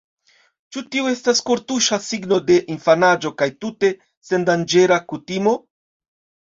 Ĉu tio estas kortuŝa signo de infanaĝo kaj tute sendanĝera kutimo?